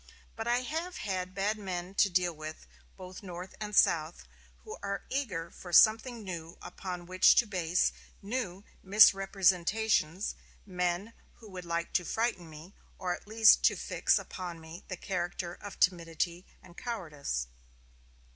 But I have bad men to deal with, both North and South; men who are eager for something new upon which to base new misrepresentations; men who would like to frighten me, or at least to fix upon me the character of timidity and cowardice."